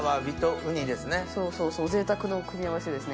そうそうぜいたくな組み合わせですね。